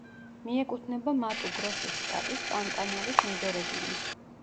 მიეკუთვნება მატუ-გროსუს შტატის პანტანალის მეზორეგიონს.